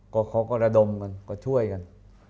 ก็เขาก็ระดมกันก็ช่วยกัน